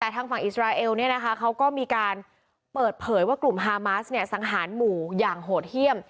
แต่ทางฝั่งอิสราเอลเนี่ยนะคะเขาก็มีการเปิดเผยว่ากลุ่มฮามาสเนี่ยสังหารหมู่อย่างโหดเยี่ยม